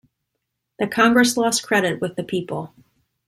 The Congress lost credit with the people.